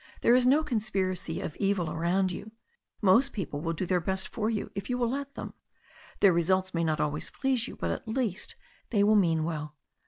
There is no conspiracy of evil around you. Most people will do their best for you if you will let them. Their results may not always please you, but, at least, they will mean well.